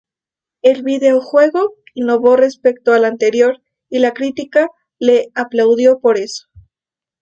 El videojuego innovó respecto al anterior y la crítica le aplaudió por eso.